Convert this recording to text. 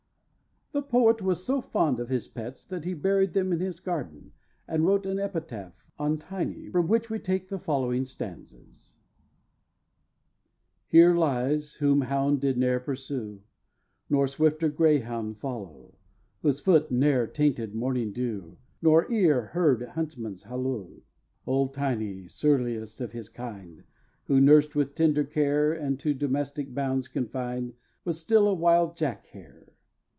The poet was so fond of his pets that he buried them in his garden, and wrote an epitaph on Tiney, from which we take the following stanzas: "Here lies whom hound did ne'er pursue, Nor swifter greyhound follow, Whose foot ne'er tainted morning dew, Nor ear heard huntsman's halloo "Old Tiney, surliest of his kind, Who, nursed with tender care, And to domestic bounds confined, Was still a wild Jack hare.